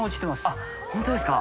あっ本当ですか？